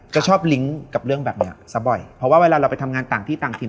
ก็ชอบลิงก์กับเรื่องแบบนี้ซะบ่อยเพราะว่าเวลาเราไปทำงานต่างที่ต่างถิ่น